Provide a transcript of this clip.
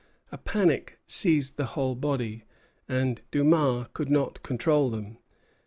A panic seized the whole body, and Dumas could not control them.